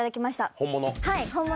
本物？